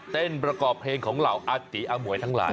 ประกอบเพลงของเหล่าอาตีอมวยทั้งหลาย